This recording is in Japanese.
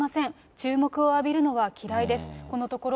注目を浴びるのは嫌いです。